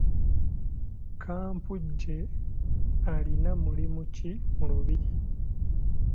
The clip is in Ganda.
Kampujje alina mulimu ki mu lubiri?